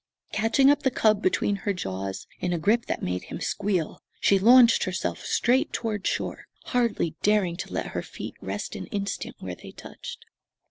Catching up the cub between her jaws, in a grip that made him squeal, she launched herself straight toward shore, hardly daring to let her feet rest an instant where they touched.